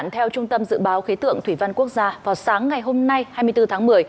theo trung tâm dự báo khí tượng thủy văn quốc gia vào sáng ngày hôm nay hai mươi bốn tháng một mươi